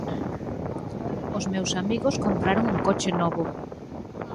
Os meus amigos compraron un coche novo